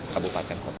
empat kabupaten kota